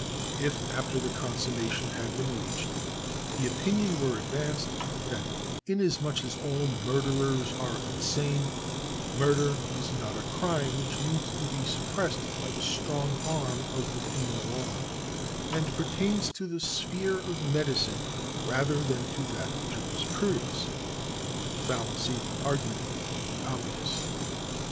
If, after this consummation had been reached, the opinion were advanced that inasmuch as all murderers are insane, murder is not a crime which needs to be suppressed by the strong arm of the penal law, and pertains to the sphere of medicine rather than to that of jurisprudence, the fallacy of the argument would be obvious.